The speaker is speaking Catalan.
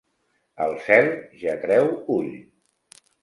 El cel ja treu ull.